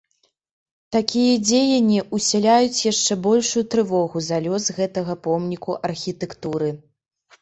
Такія дзеянні ўсяляюць яшчэ большую трывогу за лёс гэтага помніку архітэктуры.